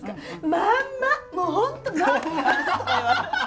まんま。